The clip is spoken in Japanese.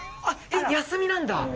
あっ休みなんだ！？